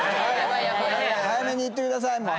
早めにいってください。